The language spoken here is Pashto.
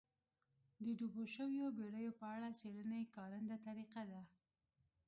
د ډوبو شویو بېړیو په اړه څېړنې کارنده طریقه ده